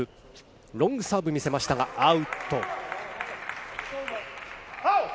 ロングサーブを見せましたがアウト。